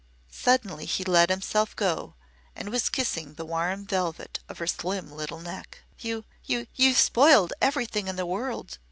Suddenly he let himself go and was kissing the warm velvet of her slim little neck. "You you you've spoiled everything in the world!"